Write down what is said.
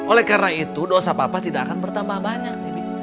oleh karena itu dosa papa tidak akan bertambah banyak